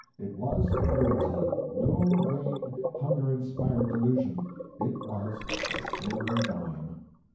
It was a verity—no vain, hunger inspired delusion—it was a silver dime!